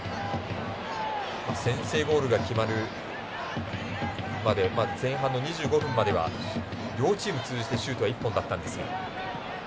先制ゴールが決まるまで前半の２５分までは両チーム通じてシュートは１本だったんですが。